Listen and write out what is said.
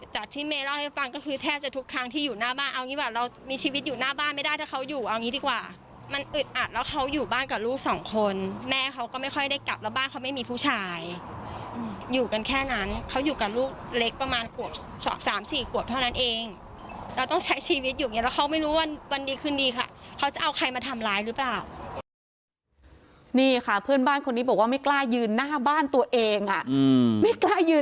จากที่เมย์เล่าให้ฟังก็คือแทบจะทุกครั้งที่อยู่หน้าบ้านเอาอย่างนี้แหวะเรามีชีวิตอยู่หน้าบ้านไม่ได้ถ้าเขาอยู่เอาอย่างนี้ดีกว่ามันอึดอัดแล้วเขาอยู่บ้านกับลูกสองคนแม่เขาก็ไม่ค่อยได้กลับแล้วบ้านเขาไม่มีผู้ชายอยู่กันแค่นั้นเขาอยู่กับลูกเล็กประมาณขวบสองสามสี่ขวบเท่านั้นเองเราต้องใช้ชีวิตอยู่แล้วเขาไม